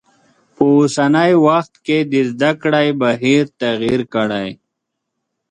په اوسنی وخت کې د زده کړی بهیر تغیر کړی.